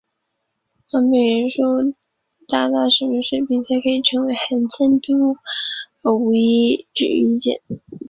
患病人数达什么水平才可称为罕见病目前并无一致意见。